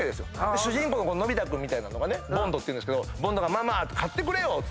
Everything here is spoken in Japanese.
主人公ののび太君みたいなのがボンドっていうんですけどママ買ってくれよっつって。